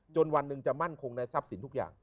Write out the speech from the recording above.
วันหนึ่งจะมั่นคงในทรัพย์สินทุกอย่าง